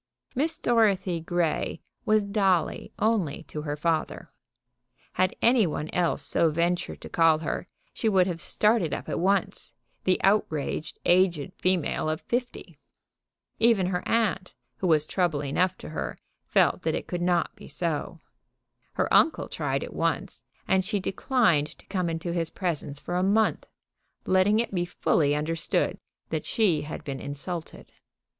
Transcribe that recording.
Miss Dorothy Grey was Dolly only to her father. Had any one else so ventured to call her she would have started up at once, the outraged aged female of fifty. Even her aunt, who was trouble enough to her, felt that it could not be so. Her uncle tried it once, and she declined to come into his presence for a month, letting it be fully understood that she had been insulted.